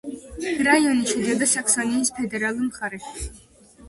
რაიონი შედიოდა საქსონიის ფედერალურ მხარეში.